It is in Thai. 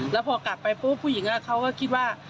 แล้วพอกลับไปปุ๊บผู้หญิงเขาก็คิดว่า